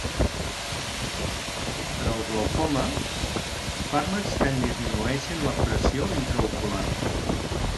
Per al glaucoma, fàrmacs que en disminueixen la pressió intraocular.